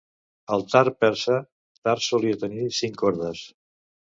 El tar persa tar solia tenir cinc cordes.